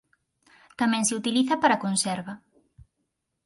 Tamén se utiliza para conserva.